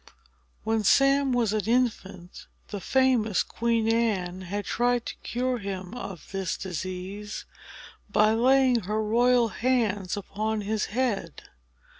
When Sam was an infant, the famous Queen Anne had tried to cure him of this disease, by laying her royal hands upon his head.